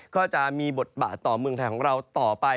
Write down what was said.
ก็จะมีบทบาทต่อเมืองไทยของเราต่อไป